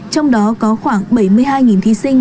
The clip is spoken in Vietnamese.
trong đó có khoảng bảy mươi hai thí sinh